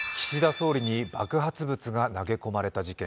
総理に爆発物が投げ込まれた事件。